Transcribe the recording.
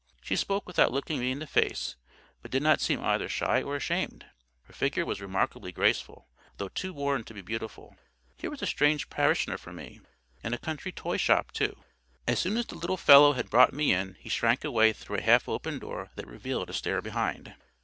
She spoke without looking me in the face, but did not seem either shy or ashamed. Her figure was remarkably graceful, though too worn to be beautiful.—Here was a strange parishioner for me!—in a country toy shop, too! As soon as the little fellow had brought me in, he shrunk away through a half open door that revealed a stair behind.